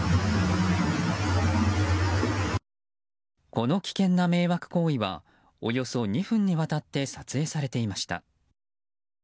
この危険な迷惑行為はおよそ２分にわたって撮影されていました。